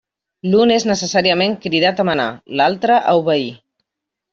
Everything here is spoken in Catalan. L'un és necessàriament cridat a manar, l'altre a obeir.